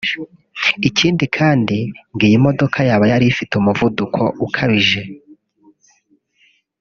Ikindi kandi ngo iyi modoka yaba yari ifite umuvuduko ukabije